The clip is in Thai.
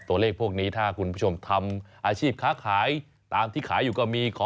มาดูคุณผู้ชมทางบ้านส่งมาสิเร็วไหม